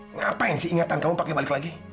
ngapain sih ingetan kamu pake balik lagi